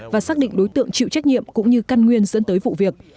và xác định đối tượng chịu trách nhiệm cũng như căn nguyên dẫn tới vụ việc